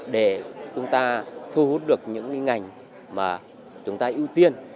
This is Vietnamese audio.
để chúng ta thu hút được những ngành mà chúng ta ưu tiên